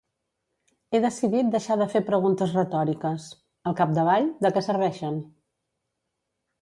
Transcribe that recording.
He decidit deixar de fer preguntes retòriques. Al capdavall, de què serveixen?